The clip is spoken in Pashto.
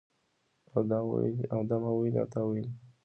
او د ما ویلي او تا ویلي